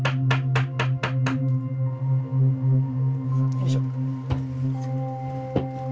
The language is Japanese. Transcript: よいしょ。